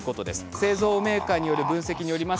製造メーカーによる分析です。